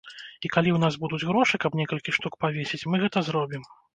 І калі ў нас будуць грошы, каб некалькі штук павесіць, мы гэта зробім.